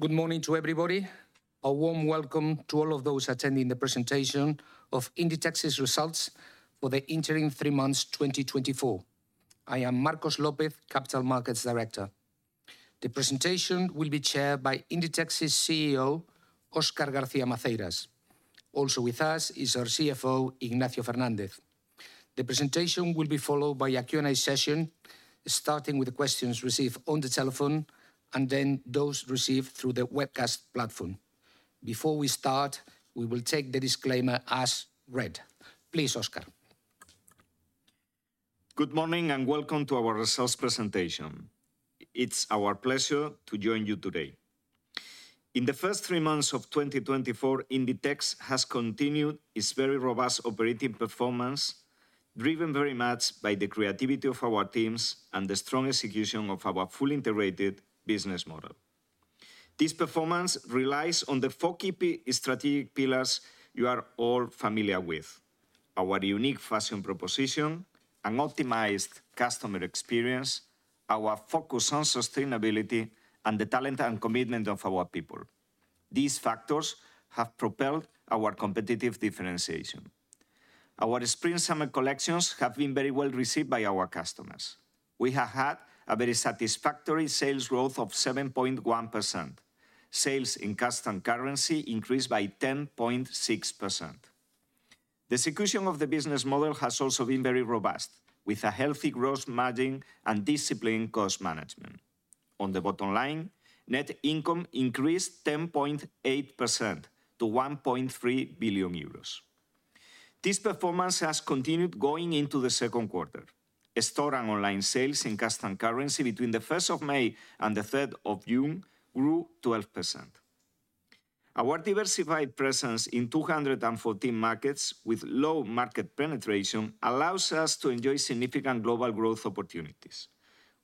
Good morning to everybody. A warm welcome to all of those attending the presentation of Inditex's results for the interim 3 months, 2024. I am Marcos López, Capital Markets Director. The presentation will be chaired by Inditex's CEO, Óscar García Maceiras. Also with us is our CFO, Ignacio Fernández. The presentation will be followed by a Q&A session, starting with the questions received on the telephone and then those received through the webcast platform. Before we start, we will take the disclaimer as read. Please, Oscar. Good morning, and welcome to our results presentation. It's our pleasure to join you today. In the first three months of 2024, Inditex has continued its very robust operating performance, driven very much by the creativity of our teams and the strong execution of our fully integrated business model. This performance relies on the four key strategic pillars you are all familiar with: our unique fashion proposition, an optimized customer experience, our focus on sustainability, and the talent and commitment of our people. These factors have propelled our competitive differentiation. Our Spring/Summer collections have been very well received by our customers. We have had a very satisfactory sales growth of 7.1%. Sales in constant currency increased by 10.6%. The execution of the business model has also been very robust, with a healthy gross margin and disciplined cost management. On the bottom line, net income increased 10.8% to 1.3 billion euros. This performance has continued going into the second quarter. Store and online sales in constant currency between May 1 and June 3 grew 12%. Our diversified presence in 214 markets with low market penetration allows us to enjoy significant global growth opportunities.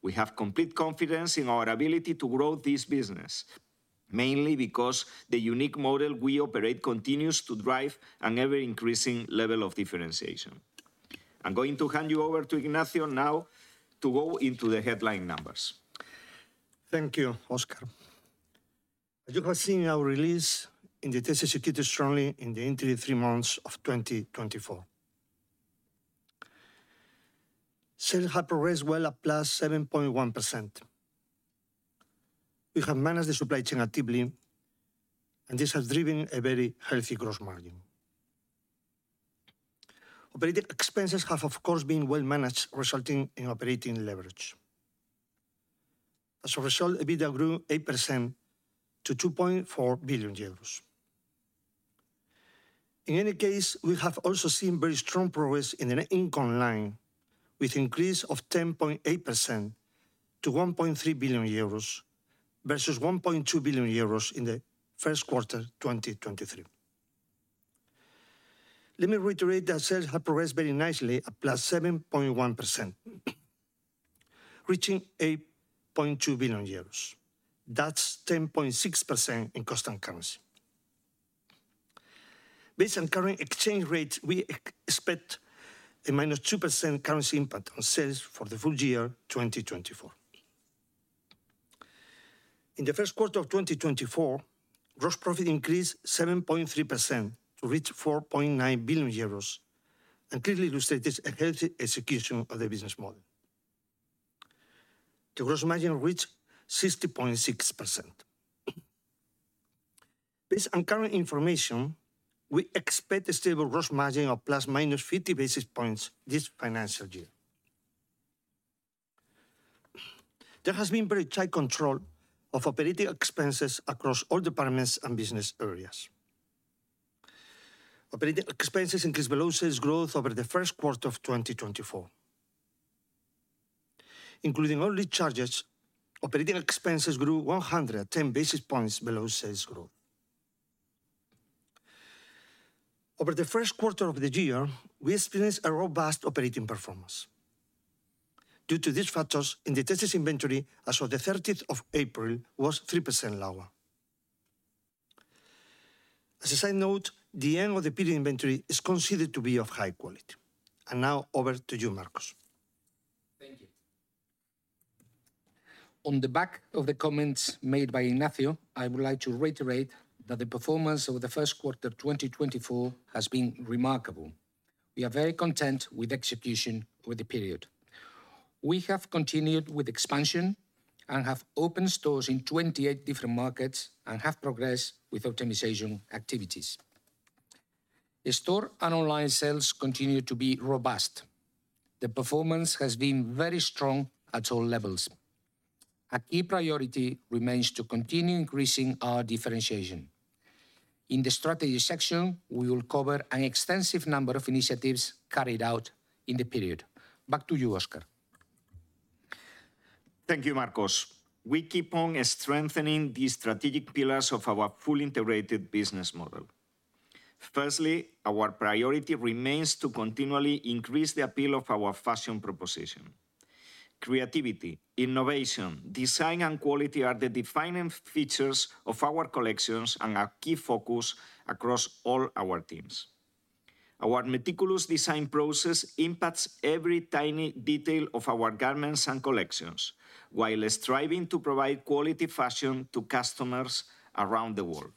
We have complete confidence in our ability to grow this business, mainly because the unique model we operate continues to drive an ever-increasing level of differentiation. I'm going to hand you over to Ignacio now to go into the headline numbers. Thank you, Óscar. As you have seen in our release, Inditex executed strongly in the interim 3 months of 2024. Sales have progressed well at +7.1%. We have managed the supply chain actively, and this has driven a very healthy gross margin. Operating expenses have, of course, been well managed, resulting in operating leverage. As a result, EBITDA grew 8% to 2.4 billion euros. In any case, we have also seen very strong progress in the net income line, with increase of 10.8% to 1.3 billion euros, versus 1.2 billion euros in the first quarter, 2023. Let me reiterate that sales have progressed very nicely at +7.1%, reaching EUR 8.2 billion. That's 10.6% in constant currency. Based on current exchange rates, we expect a -2% currency impact on sales for the full year 2024. In the first quarter of 2024, gross profit increased 7.3% to reach 4.9 billion euros and clearly illustrates a healthy execution of the business model. The gross margin reached 60.6%. Based on current information, we expect a stable gross margin of ±50 basis points this financial year. There has been very tight control of operating expenses across all departments and business areas. Operating expenses increased below sales growth over the first quarter of 2024. Including all charges, operating expenses grew 110 basis points below sales growth. Over the first quarter of the year, we experienced a robust operating performance. Due to these factors, Inditex's inventory, as of the thirteenth of April, was 3% lower. As a side note, the end of the period inventory is considered to be of high quality. Now, over to you, Marcos. Thank you. On the back of the comments made by Ignacio, I would like to reiterate that the performance over the first quarter, 2024, has been remarkable. We are very content with execution over the period. We have continued with expansion and have opened stores in 28 different markets and have progressed with optimization activities. The store and online sales continue to be robust. The performance has been very strong at all levels. A key priority remains to continue increasing our differentiation. In the strategy section, we will cover an extensive number of initiatives carried out in the period. Back to you, Óscar. Thank you, Marcos. We keep on strengthening the strategic pillars of our fully integrated business model. Firstly, our priority remains to continually increase the appeal of our fashion proposition. Creativity, innovation, design, and quality are the defining features of our collections and our key focus across all our teams.... Our meticulous design process impacts every tiny detail of our garments and collections, while striving to provide quality fashion to customers around the world.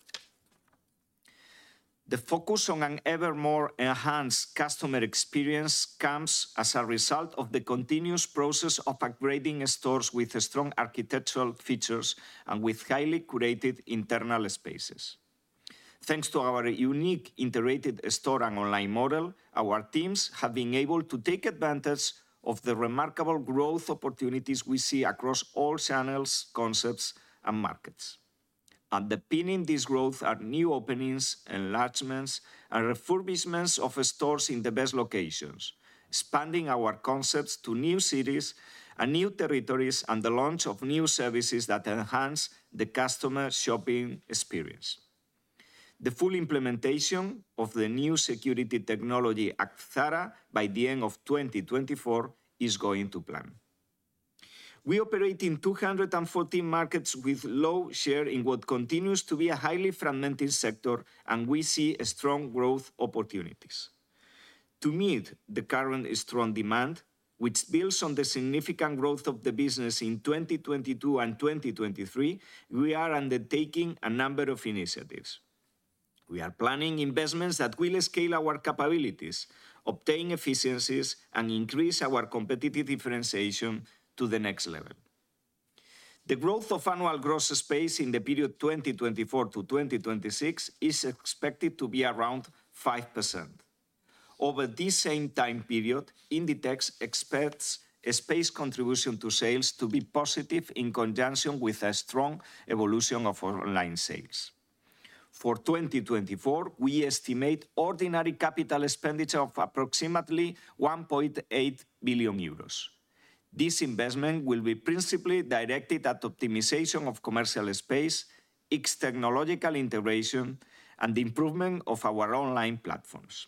The focus on an ever more enhanced customer experience comes as a result of the continuous process of upgrading stores with strong architectural features and with highly curated internal spaces. Thanks to our unique integrated store and online model, our teams have been able to take advantage of the remarkable growth opportunities we see across all channels, concepts, and markets. Underpinning this growth are new openings, enlargements, and refurbishments of stores in the best locations, expanding our concepts to new cities and new territories, and the launch of new services that enhance the customer shopping experience. The full implementation of the new security technology at Zara by the end of 2024 is going to plan. We operate in 214 markets with low share in what continues to be a highly fragmented sector, and we see strong growth opportunities. To meet the current strong demand, which builds on the significant growth of the business in 2022 and 2023, we are undertaking a number of initiatives. We are planning investments that will scale our capabilities, obtain efficiencies, and increase our competitive differentiation to the next level. The growth of annual gross space in the period 2024 to 2026 is expected to be around 5%. Over this same time period, Inditex expects a space contribution to sales to be positive in conjunction with a strong evolution of online sales. For 2024, we estimate ordinary capital expenditure of approximately 1.8 billion euros. This investment will be principally directed at optimization of commercial space, its technological integration, and the improvement of our online platforms.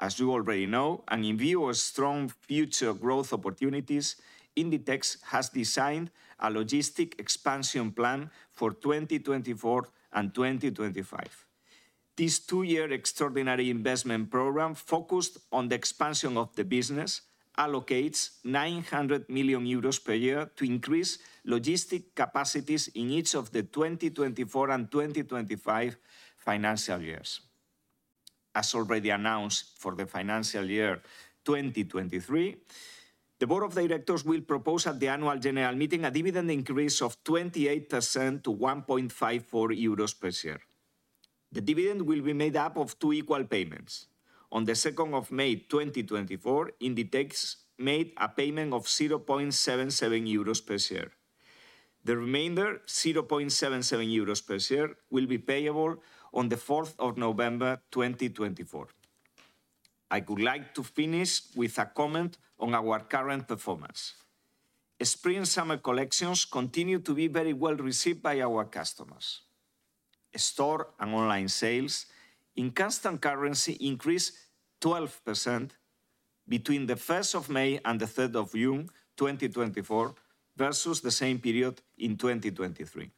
As you already know, and in view of strong future growth opportunities, Inditex has designed a logistic expansion plan for 2024 and 2025. This two-year extraordinary investment program, focused on the expansion of the business, allocates 900 million euros per year to increase logistic capacities in each of the 2024 and 2025 financial years. As already announced, for the financial year 2023, the Board of Directors will propose at the Annual General Meeting a dividend increase of 28% to 1.54 euros per share. The dividend will be made up of two equal payments. On the second of May 2024, Inditex made a payment of 0.77 euros per share. The remainder, 0.77 euros per share, will be payable on the fourth of November 2024. I would like to finish with a comment on our current performance. Spring/summer collections continue to be very well received by our customers. Store and online sales in constant currency increased 12% between the first of May and the third of June 2024, versus the same period in 2023.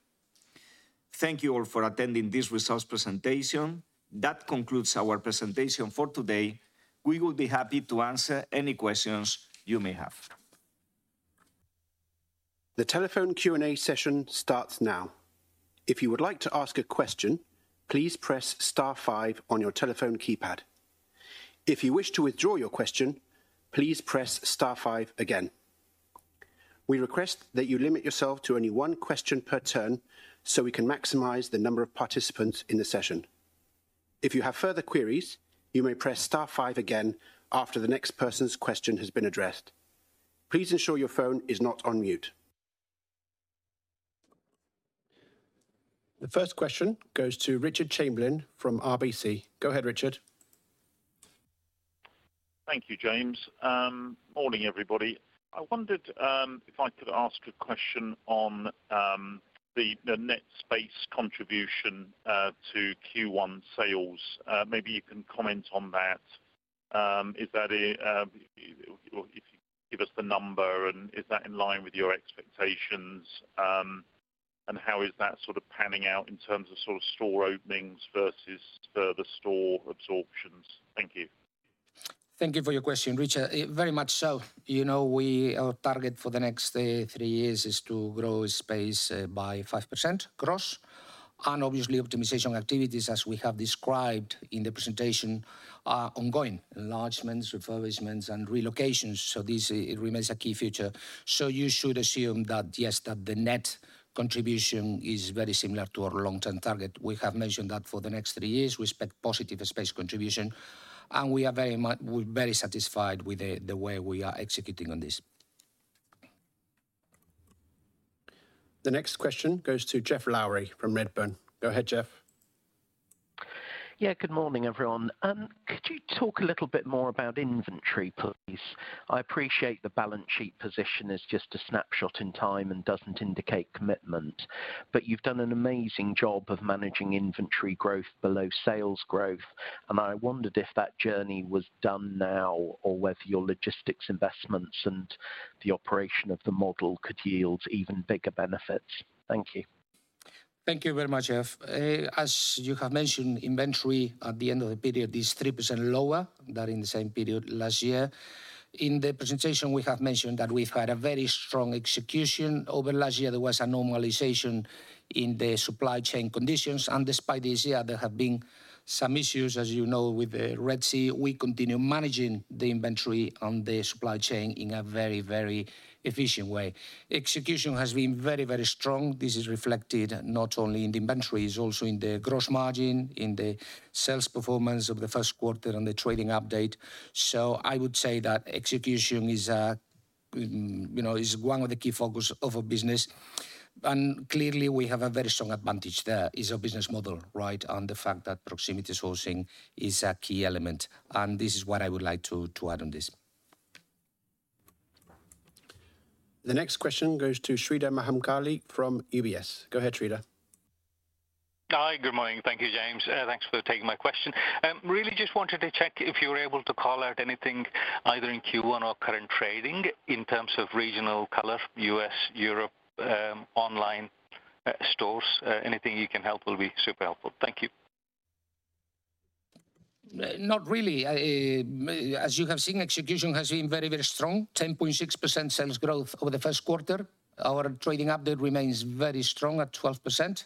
Thank you all for attending this results presentation. That concludes our presentation for today. We will be happy to answer any questions you may have. The telephone Q&A session starts now. If you would like to ask a question, please press star five on your telephone keypad. If you wish to withdraw your question, please press star five again. We request that you limit yourself to only one question per turn, so we can maximize the number of participants in the session. If you have further queries, you may press star five again after the next person's question has been addressed. Please ensure your phone is not on mute. The first question goes to Richard Chamberlain from RBC. Go ahead, Richard. Thank you, James. Morning, everybody. I wondered if I could ask a question on the net space contribution to Q1 sales. Maybe you can comment on that. Is that... If you give us the number, and is that in line with your expectations? And how is that sort of panning out in terms of sort of store openings versus further store absorptions? Thank you. Thank you for your question, Richard. Very much so. You know, we. Our target for the next three years is to grow space by 5% gross. And obviously, optimization activities, as we have described in the presentation, are ongoing: enlargements, refurbishments, and relocations. So this remains a key feature. So you should assume that, yes, that the net contribution is very similar to our long-term target. We have mentioned that for the next three years, we expect positive space contribution, and we are very much. We're very satisfied with the way we are executing on this. The next question goes to Geoff Lowery from Redburn. Go ahead, Geoff. Yeah, good morning, everyone. Could you talk a little bit more about inventory, please? I appreciate the balance sheet position is just a snapshot in time and doesn't indicate commitment, but you've done an amazing job of managing inventory growth below sales growth, and I wondered if that journey was done now or whether your logistics investments and the operation of the model could yield even bigger benefits. Thank you. ... Thank you very much, Jeff. As you have mentioned, inventory at the end of the period is 3% lower than in the same period last year. In the presentation, we have mentioned that we've had a very strong execution. Over last year, there was a normalization in the supply chain conditions, and despite this year, there have been some issues, as you know, with the Red Sea. We continue managing the inventory on the supply chain in a very, very efficient way. Execution has been very, very strong. This is reflected not only in the inventory, it's also in the gross margin, in the sales performance of the first quarter, and the trading update. So I would say that execution is, you know, is one of the key focus of our business, and clearly we have a very strong advantage there. It's our business model, right? And the fact that proximity sourcing is a key element, and this is what I would like to, to add on this. The next question goes to Sreedhar Mahamkali from UBS. Go ahead, Sreedhar. Hi, good morning. Thank you, James. Thanks for taking my question. Really just wanted to check if you were able to call out anything, either in Q1 or current trading, in terms of regional color, US, Europe, online, stores. Anything you can help will be super helpful. Thank you. Not really. As you have seen, execution has been very, very strong, 10.6% sales growth over the first quarter. Our trading update remains very strong at 12%.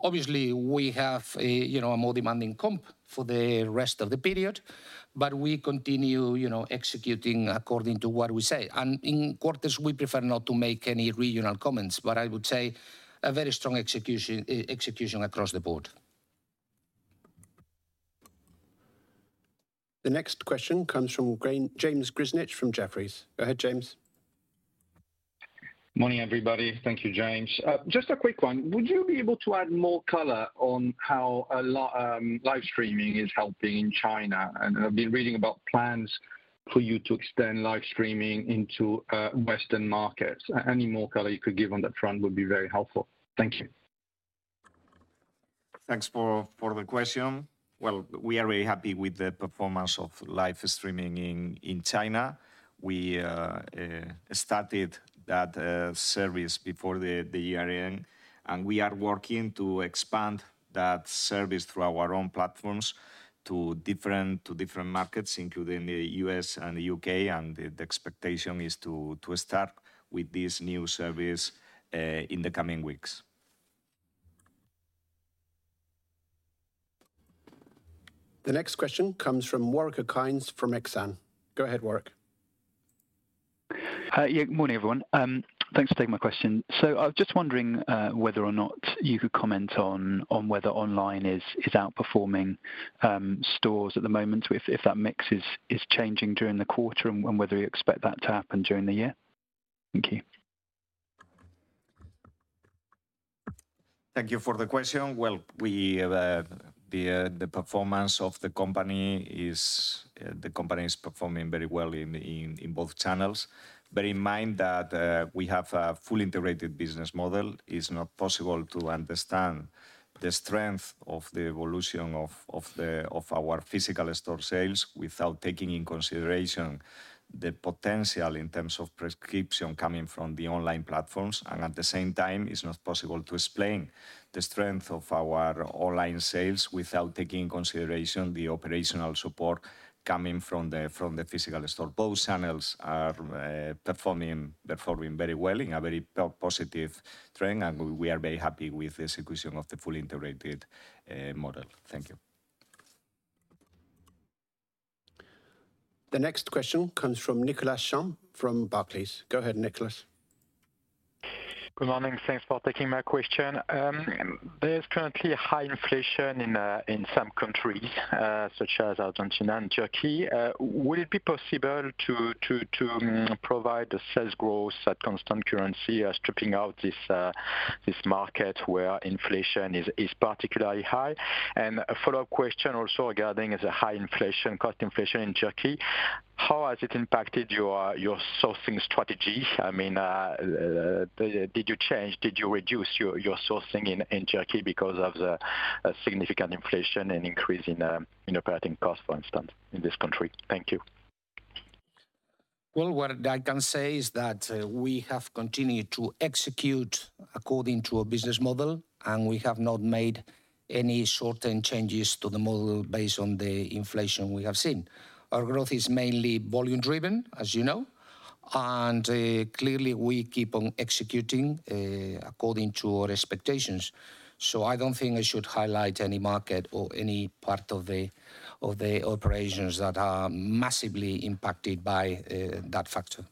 Obviously, we have a, you know, a more demanding comp for the rest of the period, but we continue, you know, executing according to what we say. And in quarters, we prefer not to make any regional comments, but I would say a very strong execution, execution across the board. The next question comes from James Grzinic from Jefferies. Go ahead, James. Morning, everybody. Thank you, James. Just a quick one: would you be able to add more color on how live streaming is helping in China? And I've been reading about plans for you to extend live streaming into Western markets. Any more color you could give on that front would be very helpful. Thank you. Thanks for the question. Well, we are very happy with the performance of live streaming in China. We started that service before the year end, and we are working to expand that service through our own platforms to different markets, including the U.S. and the U.K., and the expectation is to start with this new service in the coming weeks. The next question comes from Warwick Okines from Exane. Go ahead, Warwick. Hi. Yeah, morning, everyone. Thanks for taking my question. So I was just wondering, whether or not you could comment on, on whether online is, is outperforming, stores at the moment, if, if that mix is, is changing during the quarter, and, and whether you expect that to happen during the year? Thank you. Thank you for the question. Well, the performance of the company is, the company is performing very well in both channels. Bear in mind that we have a fully integrated business model. It's not possible to understand the strength of the evolution of our physical store sales without taking in consideration the potential in terms of prescription coming from the online platforms. And at the same time, it's not possible to explain the strength of our online sales without taking in consideration the operational support coming from the physical store. Both channels are performing very well in a very positive trend, and we are very happy with the execution of the fully integrated model. Thank you. The next question comes from Nicolas Champ from Barclays. Go ahead, Nicolas. Good morning. Thanks for taking my question. There's currently high inflation in some countries, such as Argentina and Turkey. Would it be possible to provide the sales growth at constant currency, stripping out this market where inflation is particularly high? A follow-up question also regarding the high inflation, cost inflation in Turkey. How has it impacted your sourcing strategy? I mean, did you change, did you reduce your sourcing in Turkey because of the significant inflation and increase in operating costs, for instance, in this country? Thank you. Well, what I can say is that, we have continued to execute according to our business model, and we have not made any short-term changes to the model based on the inflation we have seen. Our growth is mainly volume driven, as you know, and, clearly we keep on executing, according to our expectations. So I don't think I should highlight any market or any part of the, of the operations that are massively impacted by, that factor.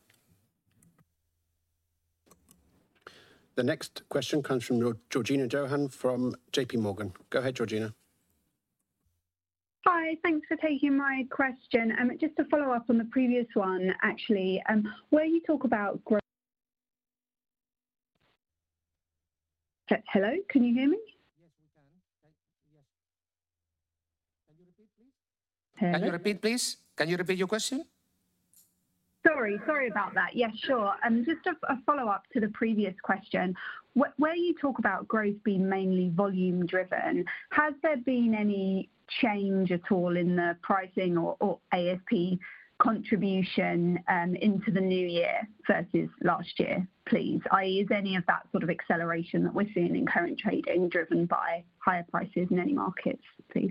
The next question comes from Georgina Johanan from J.P. Morgan. Go ahead, Georgina. Hi, thanks for taking my question. Just to follow up on the previous one, actually, where you talk about grow... Hello, can you hear me? Yes, we can. Yes. Can you repeat, please? Hello? Can you repeat, please? Can you repeat your question? Sorry. Sorry about that. Yes, sure. Just a follow-up to the previous question. Where you talk about growth being mainly volume driven, has there been any change at all in the pricing or ASP contribution into the new year versus last year, please? i.e., is any of that sort of acceleration that we're seeing in current trading driven by higher prices in any markets, please?...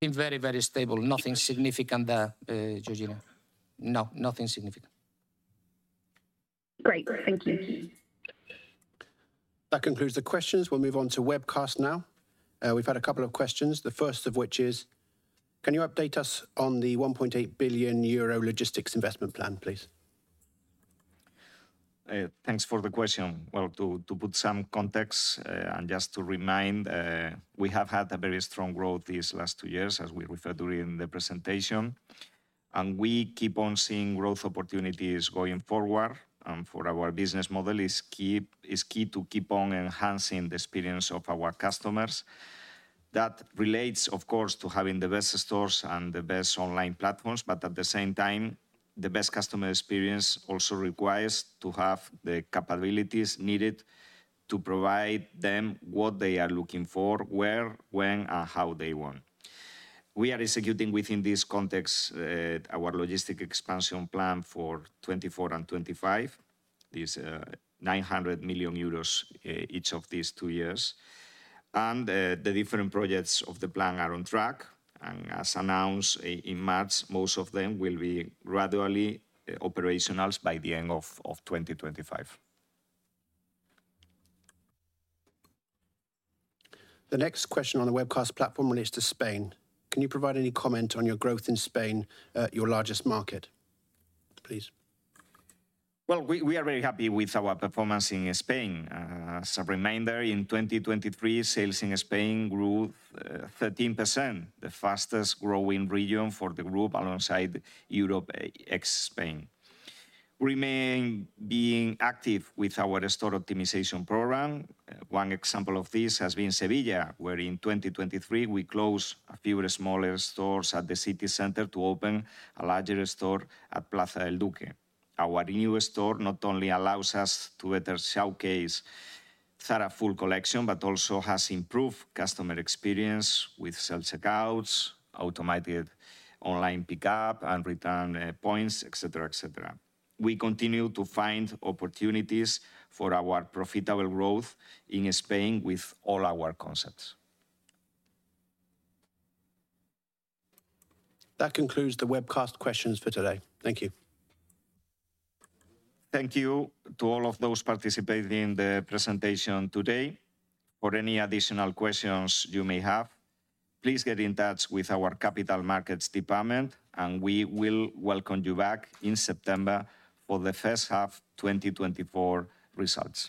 been very, very stable. Nothing significant there, Georgina. No, nothing significant. Great. Thank you. That concludes the questions. We'll move on to webcast now. We've had a couple of questions, the first of which is: Can you update us on the 1.8 billion euro logistics investment plan, please? Thanks for the question. Well, to put some context, and just to remind, we have had a very strong growth these last two years, as we referred to in the presentation, and we keep on seeing growth opportunities going forward. For our business model, it is key to keep on enhancing the experience of our customers. That relates, of course, to having the best stores and the best online platforms, but at the same time, the best customer experience also requires to have the capabilities needed to provide them what they are looking for, where, when, and how they want. We are executing within this context our logistic expansion plan for 2024 and 2025. These 900 million euros each of these two years. The different projects of the plan are on track, and as announced in March, most of them will be gradually operational by the end of 2025. The next question on the webcast platform relates to Spain. Can you provide any comment on your growth in Spain, your largest market, please? Well, we are very happy with our performance in Spain. As a reminder, in 2023, sales in Spain grew 13%, the fastest growing region for the group alongside Europe ex Spain. Remain being active with our store optimization program. One example of this has been Sevilla, where in 2023 we closed a few smaller stores at the city center to open a larger store at Plaza del Duque. Our new store not only allows us to better showcase Zara full collection, but also has improved customer experience with self-checkouts, automated online pickup and return points, et cetera, et cetera. We continue to find opportunities for our profitable growth in Spain with all our concepts. That concludes the webcast questions for today. Thank you. Thank you to all of those participating in the presentation today. For any additional questions you may have, please get in touch with our capital markets department, and we will welcome you back in September for the first half 2024 results.